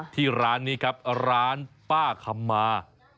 ที่ร้านนี้ครับร้านป้าคำมา